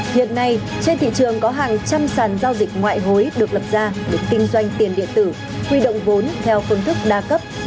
hiện nay trên thị trường có hàng trăm sàn giao dịch ngoại hối được lập ra để kinh doanh tiền điện tử huy động vốn theo phương thức đa cấp